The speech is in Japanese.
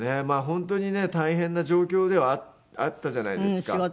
まあ本当にね大変な状況ではあったじゃないですか。